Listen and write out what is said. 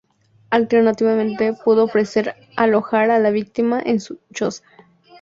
Alternativamente, puede ofrecer alojar a la víctima en su choza.